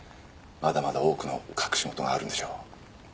まだまだ多くの隠し事があるんでしょう。